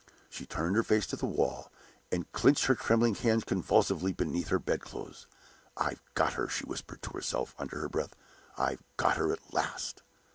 She turned her face to the wall, and clinched her trembling hands convulsively beneath the bedclothes. "I've got her!" she whispered to herself, under her breath. "I've got her at last!"